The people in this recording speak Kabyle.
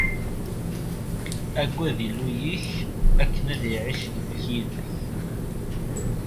Aggad Illu-ik, akken ad iɛic gma-k yid-k.